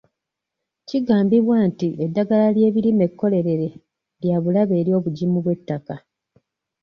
Kigambibwa nti eddagala ery'ebirime ekkolerere lya bulabe eri obugimu bw'ettaka.